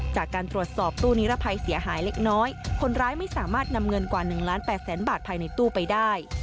จากการตรวจสอบตู้นิรภัยเสียหายเล็กน้อยคนร้ายไม่สามารถนำเงินกว่า๑ล้าน๘แสนบาทภายในตู้ไปได้